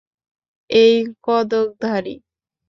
এই কদক ধারি!